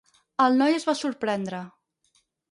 El noi es va sorprendre.